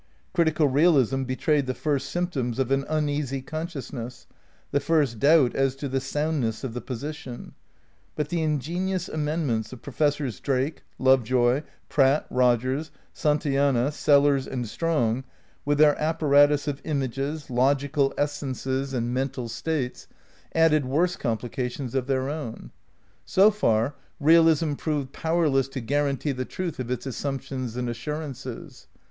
Critical realism betrayed the first symptoms of an uneasy consciousness, the first doubt as to the soundness of the position; but the in genious amendments of Professors Drake, Lovejoy, Pratt, Rogers, Santayana, Sellars and Strong, with their apparatus of "images," "logical essences," and 311 312 THE NEW IDEALISM xn "mental states," added worse complications of their own. So far, realism proved powerless to guarantee the truth of its assumptions and assurances.